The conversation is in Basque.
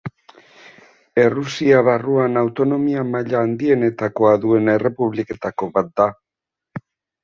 Errusia barruan autonomia-maila handienetakoa duen errepubliketako bat da.